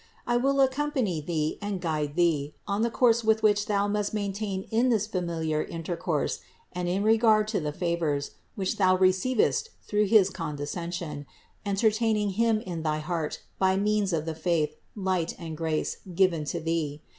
I will accompany thee and guide thee on the course with which thou must maintain in this familiar intercourse and in regard to the favors, which thou receivest through his condescen sion, entertaining Him in thy heart by means of the faith, light and grace given to thee.